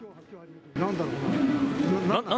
なんだろうな。